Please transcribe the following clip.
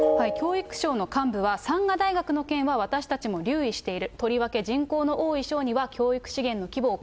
教育相の幹部は、山河大学の件は私は留意している。